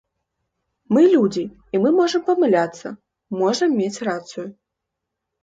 Мы людзі, і мы можам памыляцца, можам мець рацыю.